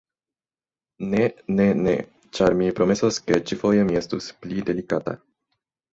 Ne, ne, ne, ĉar mi promesos, ke ĉi-foje mi estus pli delikata